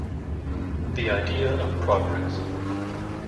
"The idea of progress".